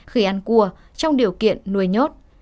khỉ ăn cua trong điều kiện nuôi nhốt